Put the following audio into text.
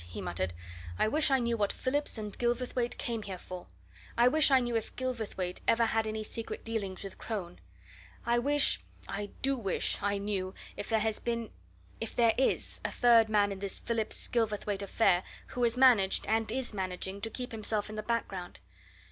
he muttered. "I wish I knew what Phillips and Gilverthwaite came here for. I wish I knew if Gilverthwaite ever had any secret dealings with Crone. I wish I do wish! I knew if there has been if there is a third man in this Phillips Gilverthwaite affair who has managed, and is managing, to keep himself in the background.